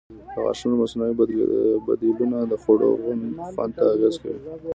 د غاښونو مصنوعي بدیلونه د خوړو خوند ته اغېز کوي.